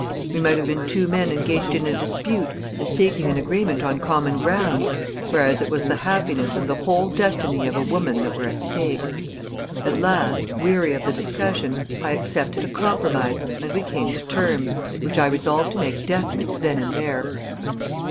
We might have been two men engaged in a dispute and seeking an agreement on common ground, whereas it was the happiness and the whole destiny of a woman that were at stake. At last, weary of the discussion, I accepted a compromise and we came to terms, which I resolved to make definite then and there.